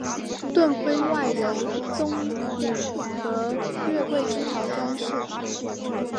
盾徽外由棕榈和月桂枝条装饰。